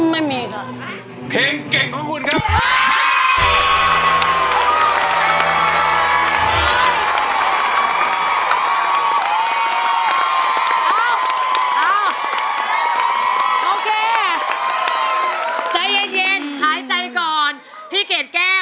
ไม่มีค่ะ